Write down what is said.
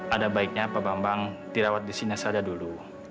ada baiknya pak bambang dirawat di sinasada dulu